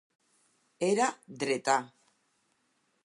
Era dretà.